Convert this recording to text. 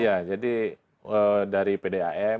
iya jadi dari pdam